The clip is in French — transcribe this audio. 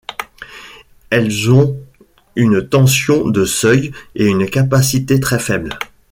Elles ont une tension de seuil et une capacité très faibles.